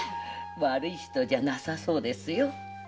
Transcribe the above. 悪い人じゃなさそうですよ。